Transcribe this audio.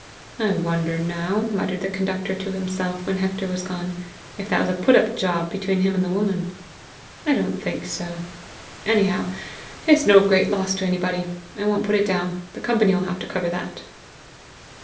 "I wonder now," muttered the conductor to himself when Hector was gone, "if that was a put up job between him and the woman? I don't think so. Anyhow, it's no great loss to anybody. I won't put it down; the company 'll have to cover that."